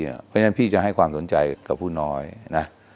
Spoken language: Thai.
เพราะฉะนั้นพี่จะให้ความสนใจกับผู้น้อยนะ